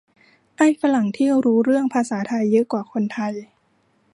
ไอ้ฝรั่งที่รู้เรื่องภาษาไทยเยอะกว่าคนไทย